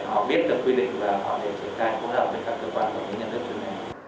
để họ biết được quy định và họ thể truyền thai phù hợp với các cơ quan hoặc các nhân đức